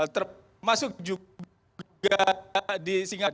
termasuk juga di singapura